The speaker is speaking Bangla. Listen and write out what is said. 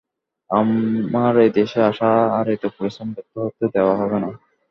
আমার এদেশে আসা, আর এত পরিশ্রম ব্যর্থ হতে দেওয়া হবে না।